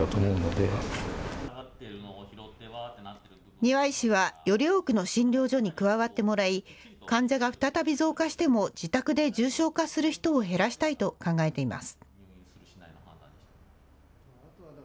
丹羽医師はより多くの診療所に加わってもらい患者が再び増加しても自宅で重症化する人を減らしたいと考えています。